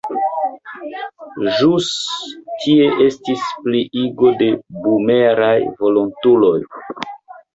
Ĵus tie estis pliigo de bumeraj volontuloj.